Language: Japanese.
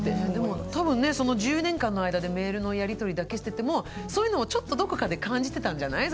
多分ねその１０年間の間でメールのやりとりだけしててもそういうのをちょっとどこかで感じてたんじゃない？